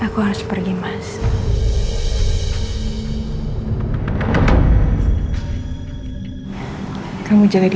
aku gak bisa ketemu mama lagi